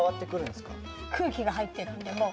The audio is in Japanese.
空気が入ってるんでもう。